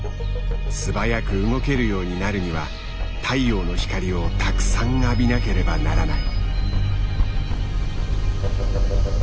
素早く動けるようになるには太陽の光をたくさん浴びなければならない。